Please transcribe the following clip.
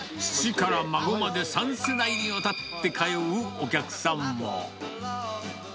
父から孫まで３世代にわたって通うお客さんも。